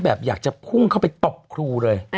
อยากจะพุ่งเข้าไปตบครูเลย